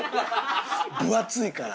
分厚いから。